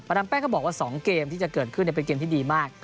ดามแป้งก็บอกว่า๒เกมที่จะเกิดขึ้นเป็นเกมที่ดีมาก